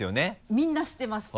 みんな知ってます。